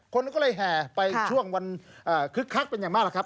คนก็เลยแห่ไปช่วงวันคึกคักเป็นอย่างมากแล้วครับ